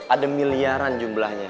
ada miliaran jumlahnya